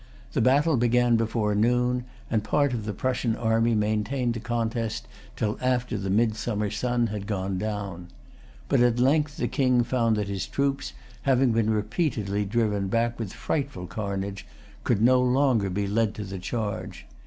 The battle began before noon; and part of the Prussian army maintained the contest till after the midsummer sun had gone down. But at length[Pg 307] the King found that his troops, having been repeatedly driven back with frightful carnage, could no longer be led to the charge.